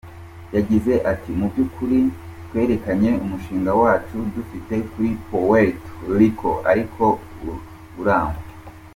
Yagize ati “Mu by’ukuri twerekanye umushinga wacu dufite kuri Puerto Rico ariko urangwa.